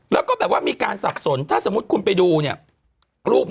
แล้วก็แบบว่ามีการสับสนถ้าสมมุติคุณไปดูเนี่ยรูปเนี่ยเห็นมั้ยฮะ